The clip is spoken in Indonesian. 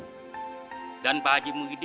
insya allah kami akan mengadakan selamatkan kek